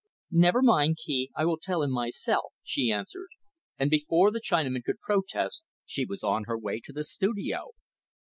"Never mind, Kee. I will tell him myself," she answered; and, before the Chinaman could protest, she was on her way to the studio.